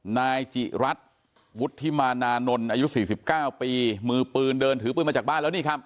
นายจิรัตน์วุฒิมานานนท์อายุ๔๙ปีมือปืนเดินถือปืนมาจากบ้านแล้วนี่ครับ